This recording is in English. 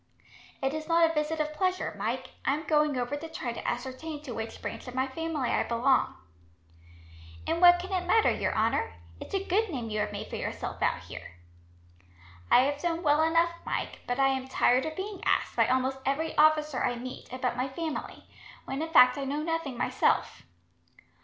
"It is not a visit of pleasure, Mike. I am going over to try to ascertain to which branch of my family I belong." "And what can it matter, your honour? It's a good name you have made for yourself out here." "I have done well enough, Mike, but I am tired of being asked, by almost every officer I meet, about my family, when in fact I know nothing myself."